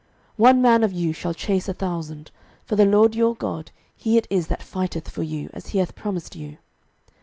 06:023:010 One man of you shall chase a thousand: for the LORD your God, he it is that fighteth for you, as he hath promised you.